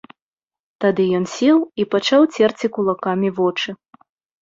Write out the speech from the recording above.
Тады ён сеў і пачаў церці кулакамі вочы.